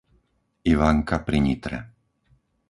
Ivanka pri Nitre